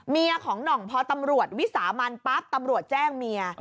เมียของหน่องพอตำรวจวิสามันปั๊บตำรวจแจ้งเมีย